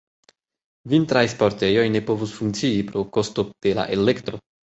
Vintraj sportejoj ne povos funkcii pro kosto de la elektro.